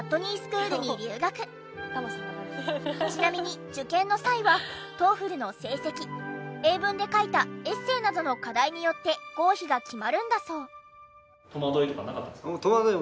ちなみに受験の際はＴＯＥＦＬの成績英文で書いたエッセーなどの課題によって合否が決まるんだそう。